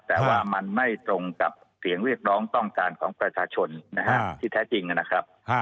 แต่ว่ามันไม่ตรงกับเสียงเรียกร้องต้องการของประชาชนนะฮะที่แท้จริงนะครับ